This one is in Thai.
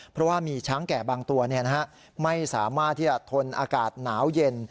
เพราะว่ามีช้างแก่บางตัวไม่สามารถที่จะทนอากาศหนาวเย็น